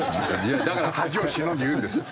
だから恥を忍んで言うんです。